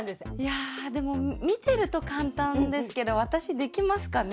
やでも見てると簡単ですけど私できますかね？